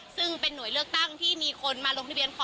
ซึ่งเป็นหน่วยเลือกตั้งที่มีคนมาลงทะเบียนพอ